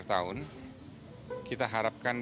kita harapkan di bulan juni ya kita bisa berhasil